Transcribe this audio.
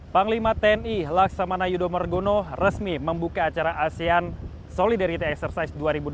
panglima tni laksamana yudho margono resmi membuka acara asean solidarity exercise dua ribu dua puluh